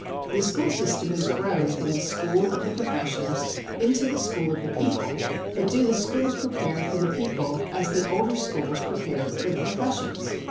The school system has grown from the school of the professions into the school of the people; but do the schools prepare for the people as the older schools prepared for the professions?